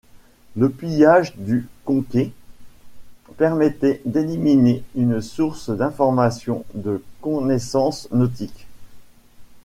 Le pillage du Conquet permettait d'éliminer une source d'informations de connaissances nautiques.